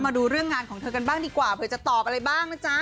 มาดูเรื่องงานของเธอกันบ้างดีกว่าเผื่อจะตอบอะไรบ้างนะจ๊ะ